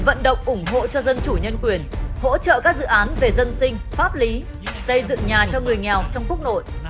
vận động ủng hộ cho dân chủ nhân quyền hỗ trợ các dự án về dân sinh pháp lý xây dựng nhà cho người nghèo trong quốc nội